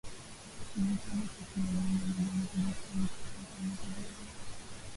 Ushirikiano kati ya Rwanda na Jamuhuri ya Kidemokrasia ya Kongo dhidi ya waasi